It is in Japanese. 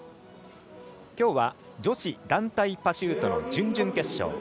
きょうは女子団体パシュートの準々決勝。